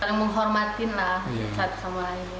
saling menghormatinlah satu sama lain